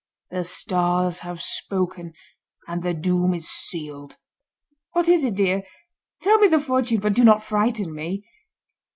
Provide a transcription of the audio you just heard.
The Stars have spoken and the doom is sealed." "What is it, dear? Tell me the fortune, but do not frighten me."